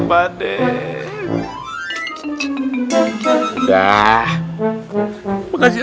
pak d emang temannya pengertian